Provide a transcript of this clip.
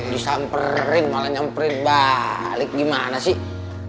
disamperin malah nyamperin balik gimana sih